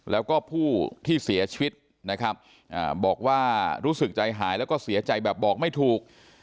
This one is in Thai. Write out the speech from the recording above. แล้วก็ผู้ที่เสียชีวิตนะครับบอกว่ารู้สึกใจหายแล้วก็เสียใจแบบบอกไม่ถูก